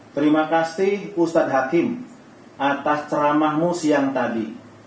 terima kasih ustadz hakim atas ceramahmu siang tadi